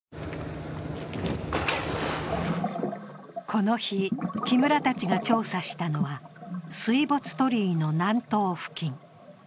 この日、木村たちが調査したのは水没鳥居の南東付近。